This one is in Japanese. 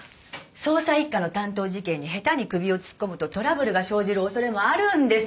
捜査一課の担当事件に下手に首を突っ込むとトラブルが生じる恐れもあるんです。